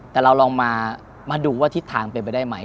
แต่เราลองมาดูว่าทิศทางเป็นไปได้ไหม